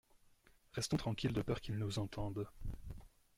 Restons tranquille de peur qu’il nous entende.